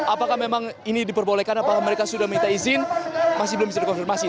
apakah memang ini diperbolehkan apakah mereka sudah minta izin masih belum bisa dikonfirmasi